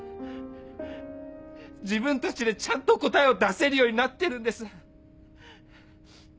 自分たちでちゃんと答えを出せるようになってるんです。